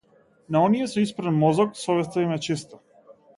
На оние со испран мозок совеста им е чиста.